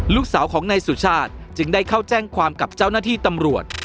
ลูกสาวของนายสุชาติจึงได้เข้าแจ้งความกับเจ้าหน้าที่ตำรวจ